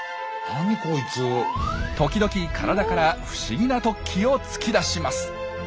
時々体から不思議な突起を突き出します。